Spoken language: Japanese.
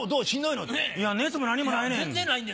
いや熱も何もないねん。